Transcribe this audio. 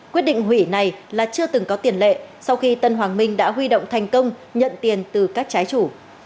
quyết định hủy này là chưa từng có tiền lệ sau khi tân hoàng minh đã huy động thành công nhận tiền từ các trái chủ